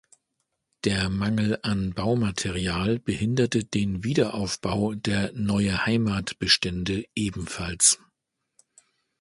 Der Mangel an Baumaterial behinderte den Wiederaufbau der Neue-Heimat-Bestände ebenfalls.